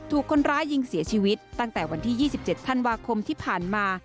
ถูกคนร้ายยิงเสียชีวิตตั้งแต่วันที่๒๗ธันวาคมที่ผ่านมา